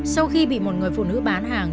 sau khi bị một người phụ nữ bán hàng